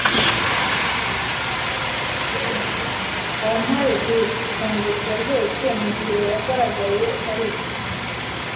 Wampaye gutungurwa rwose mugihe wagaragaye hariya.